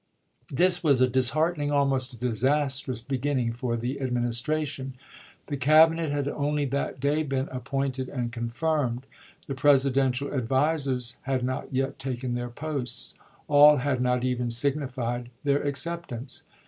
This was a disheartening, almost a disastrous, be ginning for the Administration. The Cabinet had only that day been appointed and confirmed. The Presidential advisers had not yet taken their posts — all had not even signified their acceptance.